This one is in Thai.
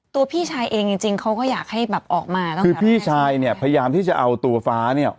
พี่ชายเองจริงจริงเขาก็อยากให้แบบออกมาก็คือพี่ชายเนี่ยพยายามที่จะเอาตัวฟ้าเนี่ย